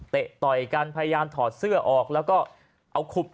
ต่อยกันพยายามถอดเสื้อออกแล้วก็เอาขุบ